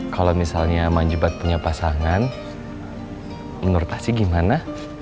kalau misalnya mang jubat punya pasangan menurut asyik gimana